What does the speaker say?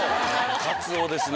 カツオですね。